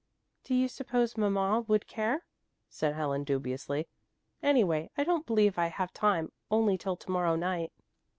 "Do you suppose mamma would care?" said Helen dubiously. "Anyway I don't believe I have time only till to morrow night."